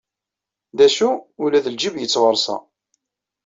D acu, ula d lǧib yettɣersa.